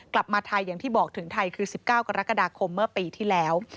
กลับมาไทยอย่างที่บอกถึงไทยคือ๑๙กรกฎาคมเมื่อปีที่แล้ว